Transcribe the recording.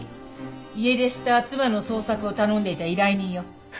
家出した妻の捜索を頼んでいた依頼人よ。